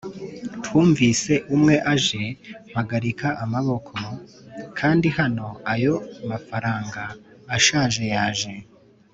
twumvise umwe aje, mpagarika amaboko, kandi hano ayo mafranga ashaje yaje.